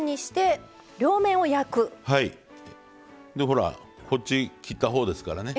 ほらこっち切ったほうですからね